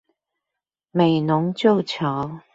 美濃舊橋